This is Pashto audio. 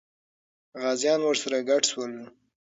غازیان ورسره ګډ سول.